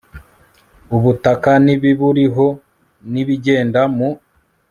ubutaka n'ibiburiho, n'ibigenda mu